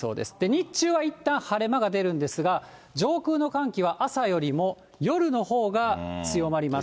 日中はいったん晴れ間が出るんですが、上空の寒気は朝よりも夜のほうが強まります。